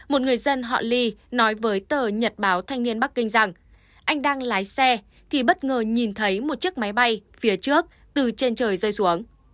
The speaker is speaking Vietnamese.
ông lee nói với tờ nhật báo thanh niên bắc kinh rằng anh đang lái xe thì bất ngờ nhìn thấy một chiếc máy bay phía trước từ trên trời rơi xuống